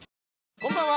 「こんばんは」